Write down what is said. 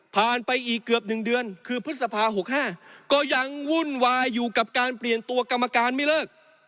ไปอีกเกือบ๑เดือนคือพฤษภา๖๕ก็ยังวุ่นวายอยู่กับการเปลี่ยนตัวกรรมการไม่เลิก